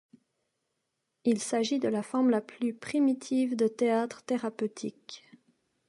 Il s'agit de la forme la plus primitive de théâtre thérapeutique.